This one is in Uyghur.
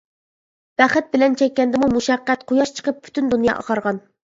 بەخت بىلەن چەككەندىمۇ مۇشەققەت، قۇياش چىقىپ پۈتۈن دۇنيا ئاقارغان.